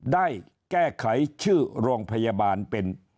ได้แก้ไขชื่อโรงพยาบาลเป็น